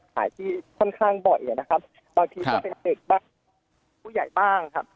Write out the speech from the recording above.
ขายที่ค่อนข้างบ่อยนะครับบางทีก็เป็นเด็กบ้างผู้ใหญ่บ้างครับ